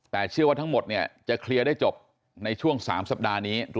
แต่เชื่อว่าทั้งหมดเนี่ยจะเคลียร์ได้จบในช่วง๓สัปดาห์นี้